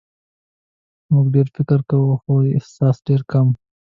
موږ ډېر فکر کوو خو احساس ډېر کم.